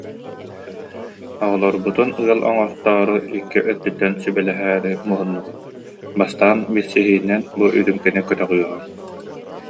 Оҕолорбутун ыал оҥортоору икки өттүттэн сүбэлэһээри муһуннубут, бастаан билсиһиинэн бу үрүүмкэни көтөҕүөҕүҥ